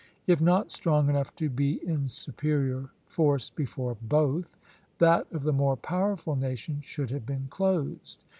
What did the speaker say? If not strong enough to be in superior force before both, that of the more powerful nation should have been closed.